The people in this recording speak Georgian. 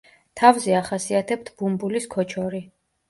თავზე ახასიათებთ ბუმბულის ქოჩორი.